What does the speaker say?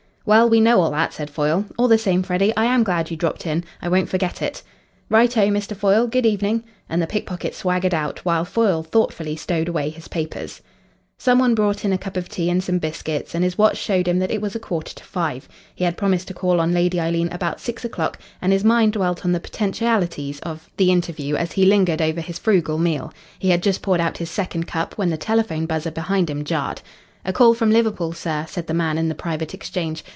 "Well, we know all that," said Foyle. "All the same, Freddy, I am glad you dropped in: I won't forget it." "Right oh, Mr. Foyle. Good evening." And the pick pocket swaggered out, while Foyle thoughtfully stowed away his papers. Some one brought in a cup of tea and some biscuits, and his watch showed him that it was a quarter to five. He had promised to call on Lady Eileen about six o'clock, and his mind dwelt on the potentialities of the interview as he lingered over his frugal meal. He had just poured out his second cup, when the telephone buzzer behind him jarred. "A call from Liverpool, sir," said the man in the private exchange.